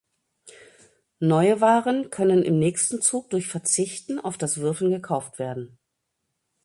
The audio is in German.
Neue Waren können im nächsten Zug durch Verzichten auf das Würfeln gekauft werden.